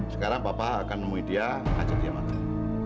sekarang papa akan nemui dia ajak dia makan